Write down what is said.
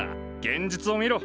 現実を見ろ。